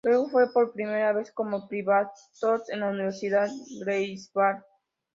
Luego fue, por primera vez, como Privatdozent en la Universidad Greifswald.